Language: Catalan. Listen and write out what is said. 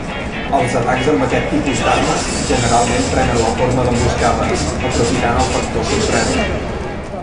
Els atacs amb aquest tipus d'armes generalment prenen la forma d'emboscades, aprofitant el factor sorpresa.